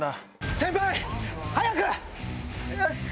先輩早く！